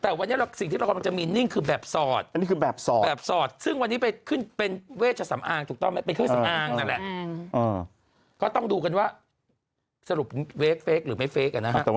แต่วันนี้สิ่งที่เราฟังว่ามันจะมีนิ่งคือแบบสอด